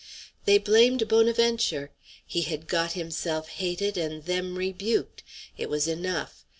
They blamed Bonaventure; he had got himself hated and them rebuked; it was enough.